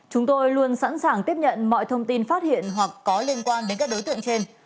chúng tôi luôn sẵn sàng tiếp nhận mọi thông tin phát hiện hoặc có liên quan đến các đối tượng trên